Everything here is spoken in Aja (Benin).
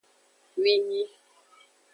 Winyi.